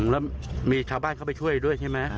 แล้วมีชาวบ้านเข้าไปช่วยด้วยใช่ไหม